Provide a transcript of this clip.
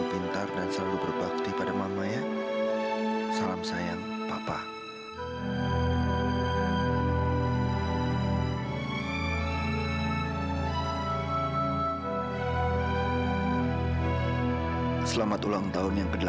sampai jumpa di video selanjutnya